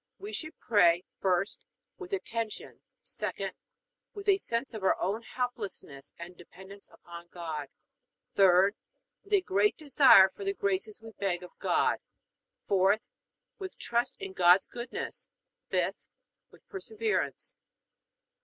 We should pray: 1st, With attention; 2d, With a sense of our own helplessness and dependence upon God; 3d, With a great desire for the graces we beg of God; 4th, With trust in God's goodness; 5th, With perseverance.